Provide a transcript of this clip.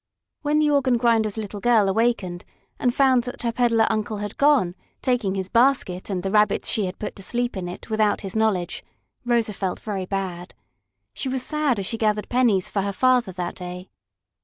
When the organ grinder's little girl awakened and found that her peddler uncle had gone, taking his basket and the Rabbit she had put to sleep in it without his knowledge, Rosa felt very bad. She was sad as she gathered pennies for her father that day.